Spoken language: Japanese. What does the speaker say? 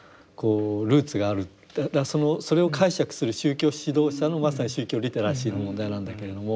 それを解釈する宗教指導者のまさに宗教リテラシーの問題なんだけれども。